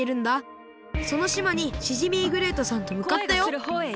そのしまにシジミ―グレイトさんとむかったよ。